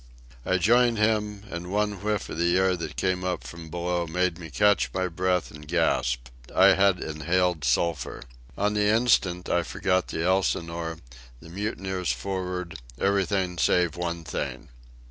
I joined him, and one whiff of the air that came up from below made me catch my breath and gasp. I had inhaled sulphur. On the instant I forgot the Elsinore, the mutineers for'ard, everything save one thing.